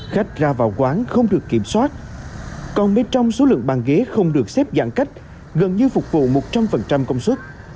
khách ra vào quán không được kiểm soát còn bên trong số lượng bàn ghế không được xếp dạng cách gần như phục vụ một trăm linh công suất